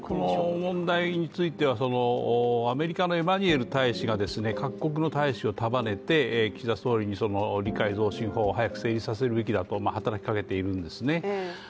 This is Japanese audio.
この問題についてはアメリカのエマニュエル大使が各国の大使を束ねて、岸田総理に理解増進法案を早く成立するべきだと働きかけているんですね